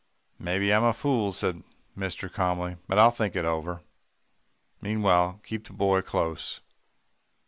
"'Maybe I'm a fool,' said mister calmly, 'but I'll think it over. Meanwhile, keep the boy close.